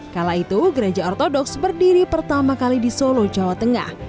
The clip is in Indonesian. kala itu gereja ortodoks berdiri pertama kali di solo jawa tengah